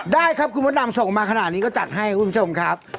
ได้ครับคุณมดดำส่งมาขนาดนี้ก็จัดให้คุณผู้ชมครับ